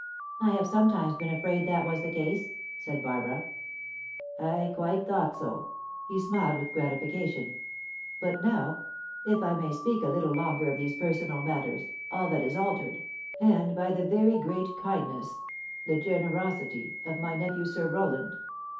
"I have sometimes been afraid that was the case," said Barbara. "I quite thought so." He smiled with gratification. "But now if I may speak a little longer of these personal matters all that is altered, and by the very great kindness, the generosity, of my nephew Sir Roland.